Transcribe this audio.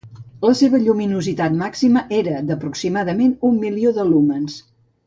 La seva lluminositat màxima era d'aproximadament un milió de lúmens.